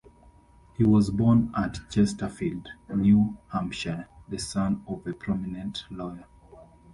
He was born at Chesterfield, New Hampshire, the son of a prominent lawyer.